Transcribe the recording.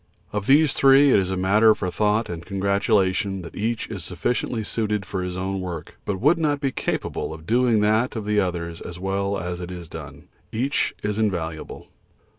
Of these three it is a matter for thought and congratulation that each is sufficiently suited for his own work, but would not be capable of doing that of the others as well as it is done. Each is invaluable.